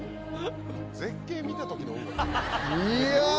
絶景見たときの音楽。